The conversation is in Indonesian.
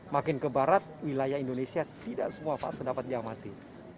makin ke barat wilayah indonesia tidak semua fase dapat diamati